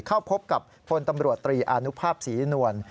เข้าพบกับพลตำรวจตรีอานุภาพศรีนวล